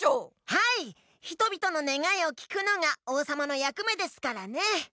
人々のねがいを聞くのが王さまのやく目ですからね！